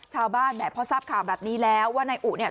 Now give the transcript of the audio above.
แหมพอทราบข่าวแบบนี้แล้วว่านายอุเนี่ย